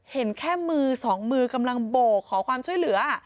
เห็นแค่มือสองมือกำลังโบกขอความช่วยเหลือ